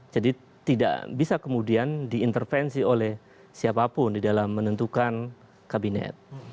jadi tidak bisa kemudian diintervensi oleh siapapun di dalam menentukan kabinet